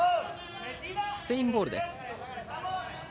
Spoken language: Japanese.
スペインボールです。